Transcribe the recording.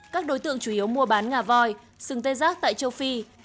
các đối tượng chủ yếu mua bán ngà voi sừng tê giác tại châu phi